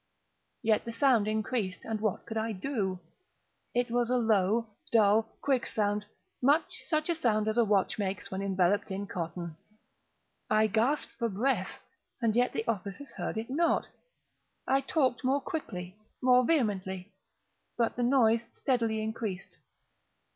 Yet the sound increased—and what could I do? It was a low, dull, quick sound—much such a sound as a watch makes when enveloped in cotton. I gasped for breath—and yet the officers heard it not. I talked more quickly—more vehemently; but the noise steadily increased.